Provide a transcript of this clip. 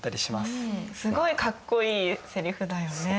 すごいかっこいいセリフだよね。